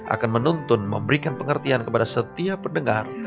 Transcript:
akan menuntun memberikan pengertian kepada setiap pendengar